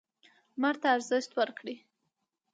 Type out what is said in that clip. لمر ته ارزښت ورکړئ.